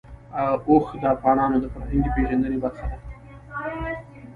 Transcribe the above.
اوښ د افغانانو د فرهنګي پیژندنې برخه ده.